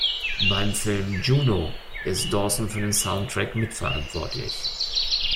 Beim Film "Juno" ist Dawson für den Soundtrack mitverantwortlich.